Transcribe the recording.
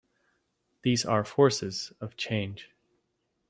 These are forces of change.